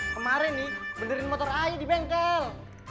kemarin nih benerin motor ayu di bengkel